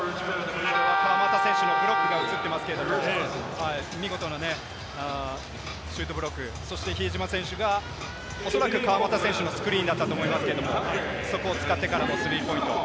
川真田選手のブロックが映ってますけれども、見事なね、シュートブロック、そして比江島選手が、おそらく川真田選手のスクリーンだったと思いますけれども、そこを使ってからのスリーポイント。